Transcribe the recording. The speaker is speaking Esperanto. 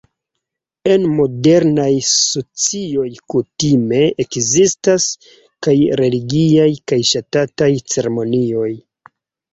En modernaj socioj kutime ekzistas kaj religiaj kaj ŝtataj ceremonioj.